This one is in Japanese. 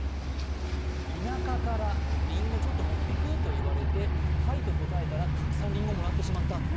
田舎から、りんごちょっと持ってく？と言われてはいと答えたら、たくさんりんごをもらってしまった。